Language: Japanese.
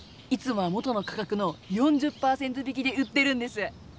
いつもは元の価格の４０％引きで売ってるんです。